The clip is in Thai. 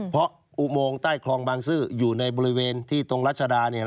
เพราะอุโมงใต้คลองบางซื่ออยู่ในบริเวณที่ตรงรัชดา